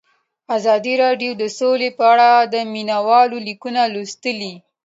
ازادي راډیو د سوله په اړه د مینه والو لیکونه لوستي.